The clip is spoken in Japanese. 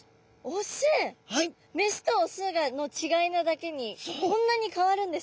メスとオスの違いなだけにこんなに変わるんですか？